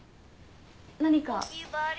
何か？